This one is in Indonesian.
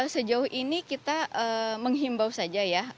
sejauh ini kita menghimbau saja ya